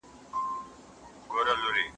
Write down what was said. که موږ صبر وکړو نو ژوند به رڼا شي.